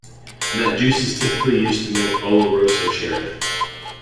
That juice is typically used to make oloroso sherry.